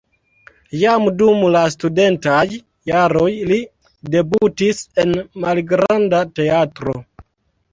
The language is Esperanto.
Jam dum la studentaj jaroj li debutis en malgranda teatro.